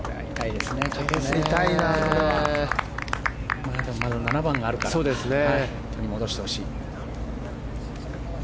でも、まだ７番があるから取り戻してほしい。